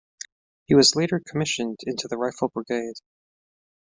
He was later commissioned into the Rifle Brigade.